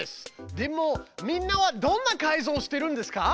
でもみんなはどんな改造をしてるんですか？